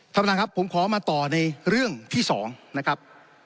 ท่านประธานครับผมขอมาต่อในเรื่องที่๒นะครับ